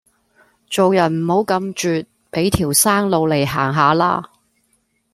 做人唔好咁絕俾條生路嚟行吓啦